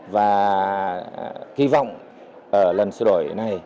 và kỳ vọng lần xử lý này